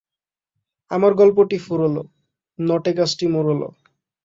আমার গল্পটি ফুরোলো, নটে গাছটি মুড়োলো।